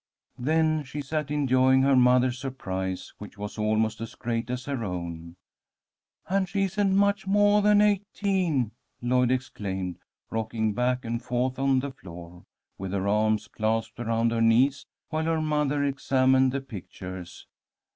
Then she sat enjoying her mother's surprise, which was almost as great as her own. "And she isn't much moah than eighteen," Lloyd exclaimed, rocking back and forth on the floor, with her arms clasped around her knees, while her mother examined the pictures.